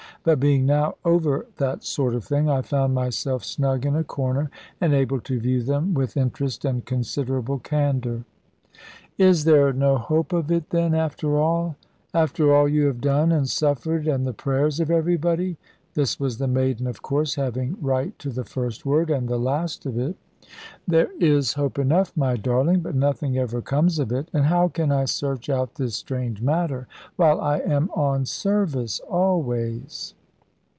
But being now over that sort of thing, I found myself snug in a corner, and able to view them with interest and considerable candour. "Is there no hope of it, then, after all; after all you have done and suffered, and the prayers of everybody?" This was the maiden, of course having right to the first word, and the last of it. "There is hope enough, my darling; but nothing ever comes of it. And how can I search out this strange matter, while I am on service always?"